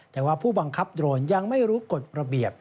แต่ว่าผู้บังคับโดรนยังไม่รู้กฎระเบียบ